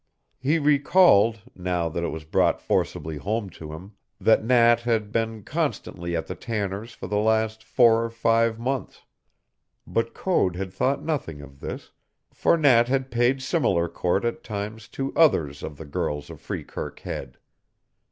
He recalled, now that it was brought forcibly home to him, that Nat had been constantly at the Tanners' for the last four or five months. But Code had thought nothing of this, for Nat had paid similar court at times to others of the girls of Freekirk Head.